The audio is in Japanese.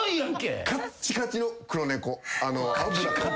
あぶらカッチカチの黒猫。